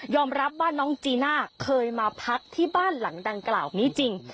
รับว่าน้องจีน่าเคยมาพักที่บ้านหลังดังกล่าวนี้จริง